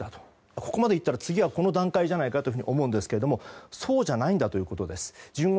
ここまで行ったら次はこの段階じゃないかって思うんですけどもそうじゃないんだということです。